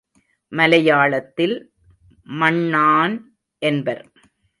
மலையாளத்தில் மண்ணான் என்பர்.